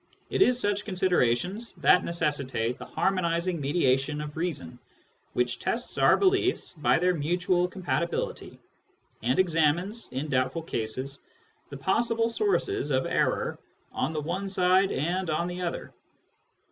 It is such considerations that necessitate the harmonising mediation of reason, which tests our beliefs by their mutual compatibility, and examines, in doubtful cases, the possible sources of error on the one side and on the other.